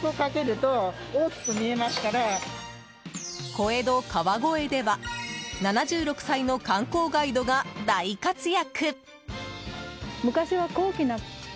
小江戸・川越では７６歳の観光ガイドが大活躍！